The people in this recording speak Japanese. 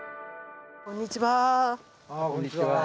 こんにちは。